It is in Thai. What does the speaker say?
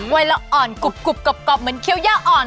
ไว้แล้วอ่อนกรุบกรุบกรอบกรอบเหมือนเคี้ยวย่าอ่อน